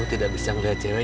tidak bisa melihat cewek